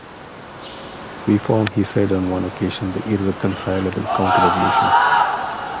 "We form", he said on one occasion, "the irreconcilable Counter-Revolution".